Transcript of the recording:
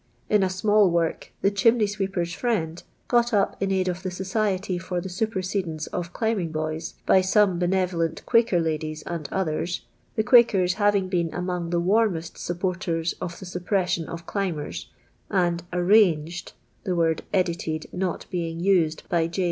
In a small work, the " Chimney Sweepers' Friend, " got lip in aid of the Society f'»r the Supersedence of ('iimbing Hoys, by some benevolent Quiki^r ladies and uthers (the (Quakers having been v.mon ^ till' warmest supporters of the suppression of dinibcr.H), and •'ar^ani^*d " (the word "edited" not b"ing usedi by J.